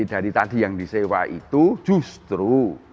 dari tadi yang disewa itu justru